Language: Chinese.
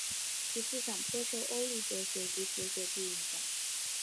其思想颇受欧陆哲学及佛学之影响。